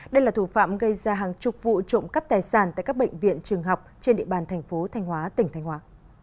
đây là thủ phạm gây ra hàng chục vụ trộm cắp tài sản tại các bệnh viện trường học trên địa bàn thành phố thanh hóa tỉnh thanh hóa